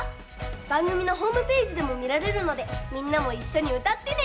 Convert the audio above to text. ばんぐみのホームページでもみられるのでみんなもいっしょにうたってね！